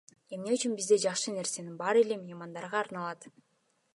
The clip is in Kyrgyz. Эмне үчүн бизде жакшы нерсенин баары эле меймандарга арналат?